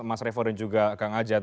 mas revo dan juga kang ajat